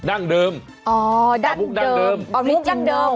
ดั้งเดิมอ๋อดั้งมุกเดิมอ๋อมุกดั้งเดิม